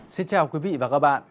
xin chào quý vị và các bạn